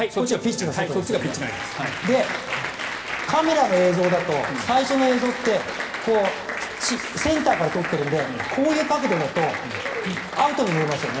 カメラの映像だと最初の映像ってセンターから撮っているのでこういう角度だとアウトに見えますよね。